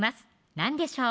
何でしょう